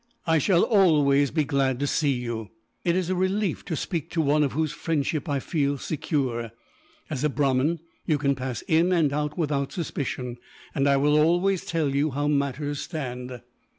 "I shall always be glad to see you. It is a relief to speak to one of whose friendship I feel secure. As a Brahmin, you can pass in and out without suspicion; and I will always tell you how matters stand."